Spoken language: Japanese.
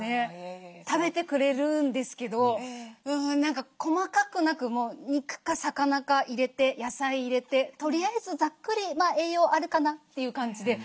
食べてくれるんですけど細かくなく肉か魚か入れて野菜入れてとりあえずざっくり栄養あるかなという感じで出してますね。